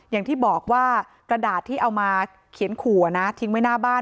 อย่างที่บอกว่ากระดาษที่เอามาเขียนขู่ทิ้งไว้หน้าบ้าน